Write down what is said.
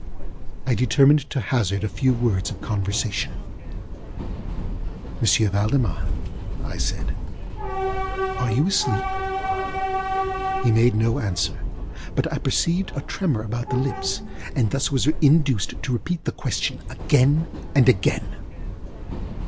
I determined to hazard a few words of conversation. ŌĆ£M. Valdemar, ŌĆØ I said, ŌĆ£are you asleep? ŌĆØ He made no answer, but I perceived a tremor about the lips, and was thus induced to repeat the question, again and again.